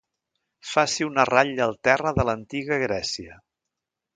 Faci una ratlla al terra de l'antiga Grècia.